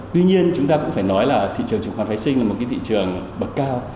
tuy nhiên chúng ta cũng phải nói là thị trường chứng khoán phái sinh là một thị trường bậc cao